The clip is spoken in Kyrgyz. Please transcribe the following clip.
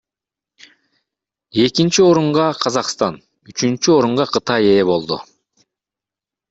Экинчи орунга Казакстан, үчүнчү орунга Кытай ээ болду.